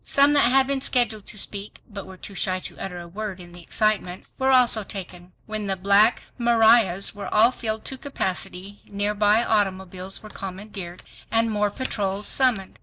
Some that had been scheduled to speak, but were too shy to utter a word in the excitement, were also taken. When the "Black Marias" were all filled to capacity, nearby automobiles were commandeered, and more patrols summoned.